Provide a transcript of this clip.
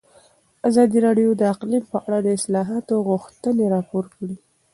ازادي راډیو د اقلیم په اړه د اصلاحاتو غوښتنې راپور کړې.